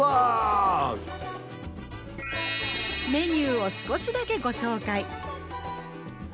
メニューを少しだけご紹介。